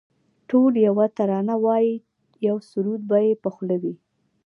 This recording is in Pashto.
ټول یوه ترانه وایی یو سرود به یې په خوله وي